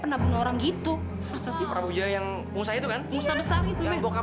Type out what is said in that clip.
nemenin bokap lo tau nggak